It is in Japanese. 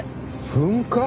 噴火？